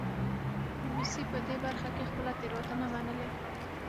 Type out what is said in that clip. بي بي سي په دې برخه کې خپله تېروتنه منلې